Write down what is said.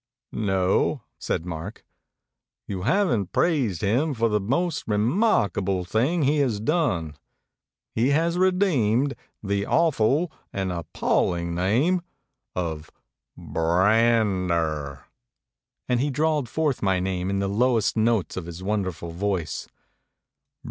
"No," said Mark. "You haven't praised him for the most remarkable thing he has done. He has redeemed the awful and appalling name of B r a n d e r," and he drawled forth my name in the lowest notes of his wonderful voice.